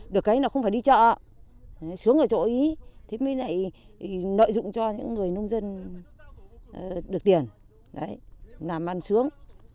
được cái là không phải đi chợ sướng ở chỗ ý thế mới lại nợ dụng cho những người nông dân được tiền làm ăn sướng